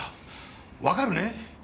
わかるね？